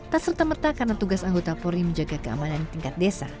tak serta merta karena tugas anggota polri menjaga keamanan tingkat desa